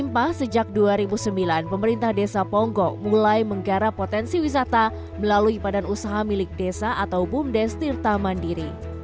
pada usaha milik desa atau bumdes tirta mandiri